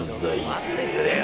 待ってくれよ。